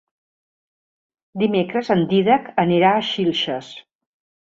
Dimecres en Dídac anirà a Xilxes.